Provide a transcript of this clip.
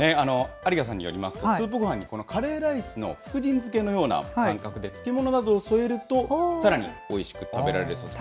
有賀さんによりますと、スープごはんにこのカレーライスの福神漬のような感覚で漬物などを添えると、さらにおいしく食べられるそうです。